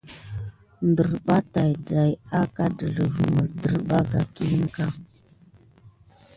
Nderɓa tät ɗay akà delif mis ŋderba hiki.